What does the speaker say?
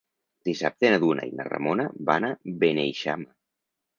Dissabte na Duna i na Ramona van a Beneixama.